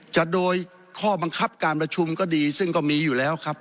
จะโดยข้อบังคับการประชุมก็ดีซึ่งก็มีอยู่แล้วครับ